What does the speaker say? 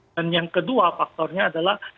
dan yang kedua faktornya adalah